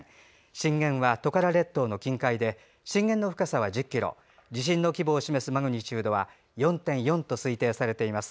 震源はトカラ列島の近海で震源の深さは１０ｋｍ地震の規模を示すマグニチュードは４．４と推定されています。